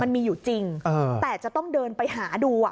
มันมีอยู่จริงแต่จะต้องเดินไปหาดูอ่ะ